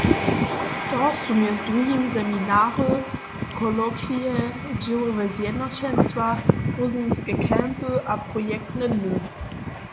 To su mjez druhim seminary, kolokwije, dźěłowe zjednoćenstwa, prózdninske campy a projektne dny.